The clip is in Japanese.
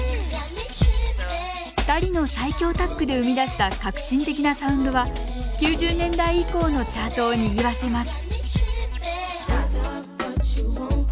２人の最強タッグで生み出した革新的なサウンドは９０年代以降のチャートをにぎわせます